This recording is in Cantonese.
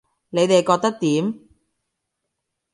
你哋覺得點